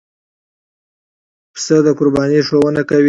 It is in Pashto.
پسه د قربانۍ ښوونه کوي.